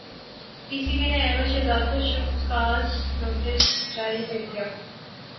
پی C B نے احمد شہزاد کو show cause notice جاری کردیا